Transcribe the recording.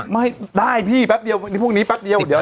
ไม่ได้พี่แปปเดียวพวกนี้แปปเดียว